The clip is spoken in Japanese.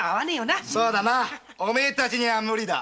そりゃおめぇたちには無理だ。